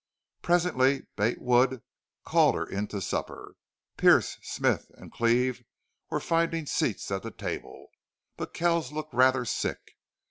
Presently, Bate Wood called her in to supper. Pearce, Smith, and Cleve were finding seats at the table, but Kells looked rather sick.